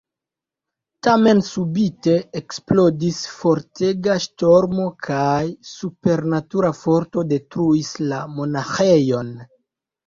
Tamen subite eksplodis fortega ŝtormo kaj supernatura forto detruis la monaĥejon.